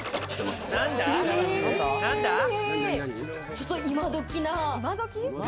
ちょっと今どきな。